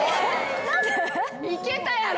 いけたやろ！